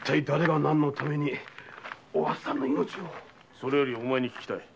それよりお前に訊きたい。